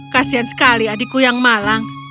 kasian sekali adikku yang malang